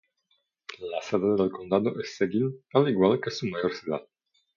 La sede del condado es Seguin, al igual que su mayor ciudad.